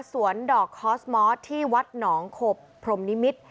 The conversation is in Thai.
ดอกคอสมอสที่วัดหนองขบพรมนิมิตร